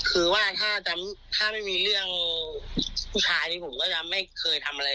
คือว่าถ้าไม่มีเรื่องผู้ชายนี้ผมก็จะไม่เคยทำอะไร